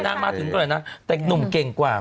อ๋อนางมาถึงก็เลยนะแต่หนุ่มเก่งกว่า